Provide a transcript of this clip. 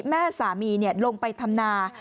แม่สามีลงไปทำนา